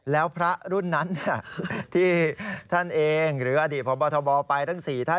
แล้วพระรุ่นนั้นที่ท่านเองหรืออดีตพบทบไปทั้ง๔ท่าน